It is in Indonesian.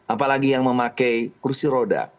apalagi yang memakai kursi roda